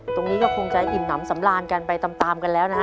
ตรงนี้ก็คงจะอิ่มน้ำสำราญกันไปตามกันแล้วนะฮะ